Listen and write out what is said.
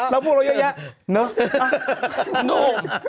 แล้วพูดเราเยอะแยะเนอะ